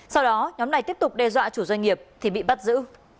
sau đó nhóm này tiếp tục đe dọa chủ doanh nghiệp thì bị bắt giữ